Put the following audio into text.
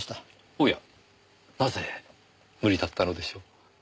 おやなぜ無理だったのでしょう？